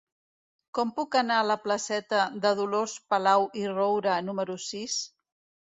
Com puc anar a la placeta de Dolors Palau i Roura número sis?